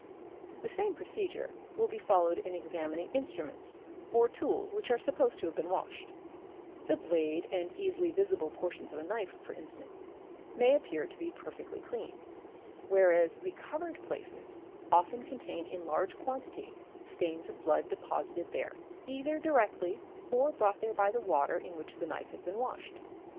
The same procedure will be followed in examining instruments or tools which are supposed to have been washed; the blade and easily visible portions of a knife, for instance, may appear to be perfectly clean, where as the covered places often contain in large quantity stains of blood deposited there either directly or brought there by the water in which the knife has been washed.